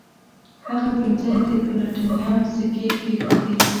هغه پنځه د پلاټینم سکې کیښودې.